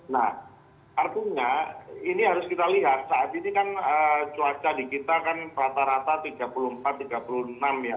nah artinya ini harus kita lihat saat ini kan cuaca di kita kan rata rata tiga puluh empat tiga puluh enam ya